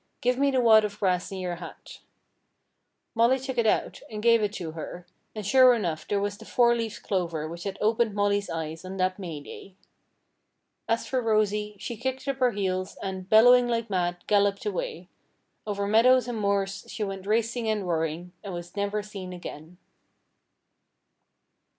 Give me the wad of grass in your hat." Molly took it out, and gave it to her; and sure enough there was the Four leaved Clover which had opened Molly's eyes on that May Day. As for Rosy, she kicked up her heels, and, bellowing like mad, galloped away. Over meadows and moors she went racing and roaring, and was never seen again.